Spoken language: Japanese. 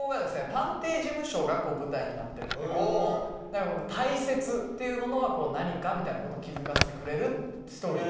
探偵事務所が舞台になってるんだけどもたいせつっていうのものは何かみたいなことを気付かせてくれるストーリー。